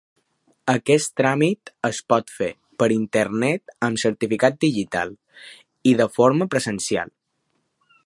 Aquest tràmit es pot fer per internet amb certificat digital i de forma presencial.